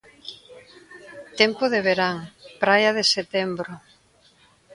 Tempo de verán, praia de setembro.